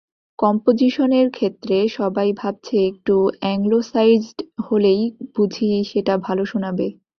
কম্পোজিশনের ক্ষেত্রে সবাই ভাবছে একটু অ্যাংলোসাইজড হলেই বুঝি সেটা ভালো শোনাবে।